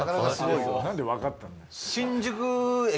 何で分かったんだよ。